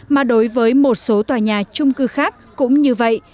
mà đối với một số tòa nhà trung cư khác cũng như vậy